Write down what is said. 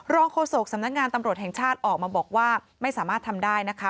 โฆษกสำนักงานตำรวจแห่งชาติออกมาบอกว่าไม่สามารถทำได้นะคะ